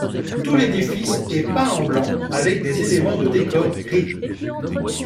Tout l'édifice est peint en blanc avec des éléments de décors gris.